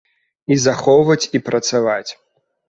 І захоўваць і працаваць.